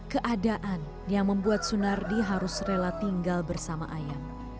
keadaan yang membuat sunardi harus rela tinggal bersama ayam